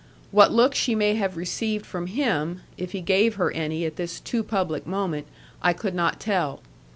What look she may have received from him, if he gave her any at this too public moment, I could not tell.